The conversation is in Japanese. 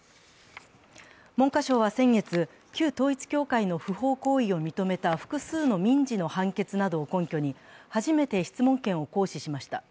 文科省は先月、旧統一教会の不法行為を認めた複数の民事の判決などを根拠に、初めて質問権を行使しました。